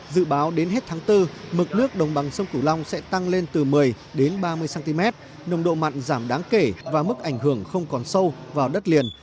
dự báo đến hết tháng bốn mực nước đồng bằng sông cửu long sẽ tăng lên từ một mươi ba mươi cm nồng độ mặn giảm đáng kể và mức ảnh hưởng không còn sâu vào đất liền